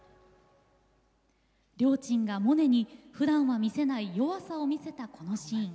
りょーちんがモネにふだんは見せない弱さを見せたこのシーン。